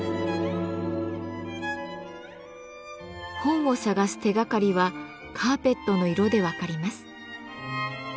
本を探す手がかりはカーペットの色で分かります。